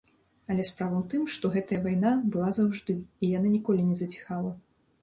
Але справа ў тым, што гэтая вайна была заўжды і яна ніколі не заціхала.